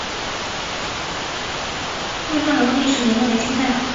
巍焕楼的历史年代为清代。